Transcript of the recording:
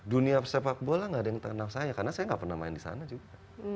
dunia sepak bola gak ada yang terkenal saya karena saya nggak pernah main di sana juga